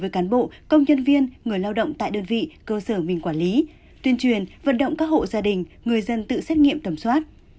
các hộ gia đình người dân tự xét nghiệm tầm soát